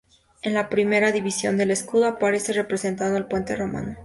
En la primera división del escudo aparece representado el Puente Romano.